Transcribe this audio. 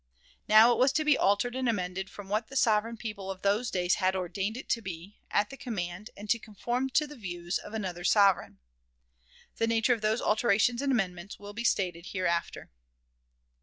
Now it was to be altered and amended from what the sovereign people of those days had ordained it to be, at the command, and to conform to the views, of another sovereign. The nature of those alterations and amendments will be stated hereafter.